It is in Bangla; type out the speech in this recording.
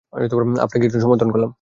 আপনাকে একটু সমর্থন করলাম।